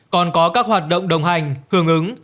còn có các hoạt động đồng hành hưởng ứng